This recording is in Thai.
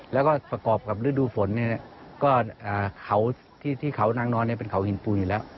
แล้วก็ประกอบกับฤดูฝนเนี่ยก็เขาที่เขานางนอนเป็นเขาหินปูอยู่แล้ว